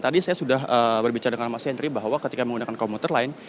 tadi saya sudah berbicara dengan mas henry bahwa ketika menggunakan komuter lain